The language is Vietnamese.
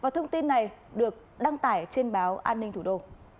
thông tin này được đăng tải trên báo an ninh thủ đô